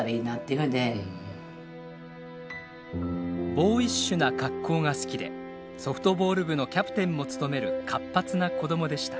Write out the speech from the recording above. ボーイッシュな格好が好きでソフトボール部のキャプテンも務める活発な子供でした。